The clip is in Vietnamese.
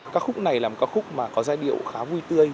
các khúc này là một ca khúc mà có giai điệu khá vui tươi